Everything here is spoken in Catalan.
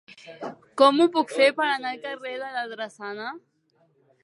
Com ho puc fer per anar al carrer de la Drassana?